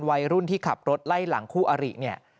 วัยรุ่นที่ขับรถไล่หลังคู่อาริ